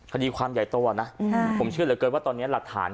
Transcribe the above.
คดีความใหญ่โตนะผมเชื่อเหลือเกินว่าตอนนี้หลักฐาน